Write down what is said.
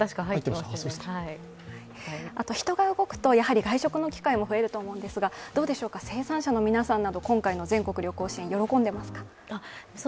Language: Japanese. あと人が動くとやはり外食の機会も増えると思うんですが生産者の皆さんなど、今回の全国旅行支援、喜んでいますか？